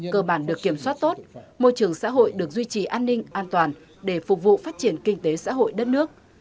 cơ bản được kiểm soát tốt môi trường xã hội được duy trì an ninh an toàn để phục vụ phát triển kinh tế xã hội đất nước